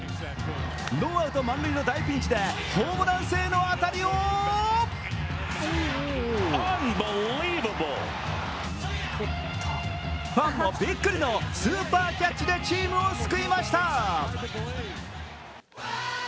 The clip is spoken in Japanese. ノーアウト満塁の大ピンチでホームラン性の当たりをファンもびっくりのスーパーキャッチでチームを救いました。